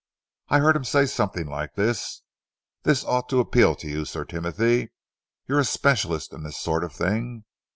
I heard him say something like this. 'This ought to appeal to you, Sir Timothy. You're a specialist in this sort of thing.